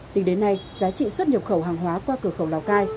tính đến nay giá trị xuất nhập khẩu hàng hóa qua cửa khẩu lào cai